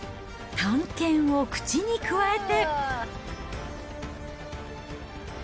短剣を口にくわえて。